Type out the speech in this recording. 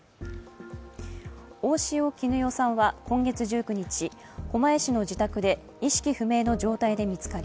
大塩衣与さんは今月１９日狛江市の自宅で意識不明の状態で見つかり